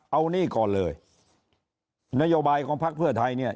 เอานี่ก่อนเลยนโยบายของพักเพื่อไทยเนี่ย